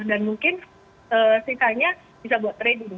dan mungkin sisanya bisa buat trading